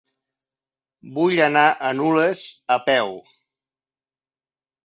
Vull anar a Nules a peu.